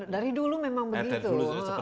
dari dulu memang begitu